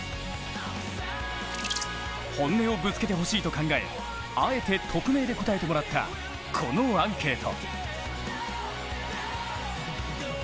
本音をぶつけてほしいと考えあえて匿名で答えてもらったこのアンケート。